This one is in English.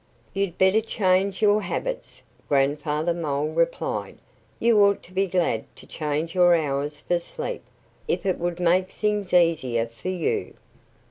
"You'd better change your habits," Grandfather Mole replied. "You ought to be glad to change your hours for sleep, if it would make things easier for you."